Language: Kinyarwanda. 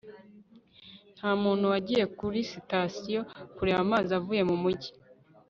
nta muntu wagiye kuri sitasiyo kureba manzi avuye mu mujyi